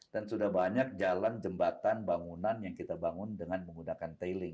dan sudah banyak jalan jembatan bangunan yang kita bangun dengan menggunakan tailing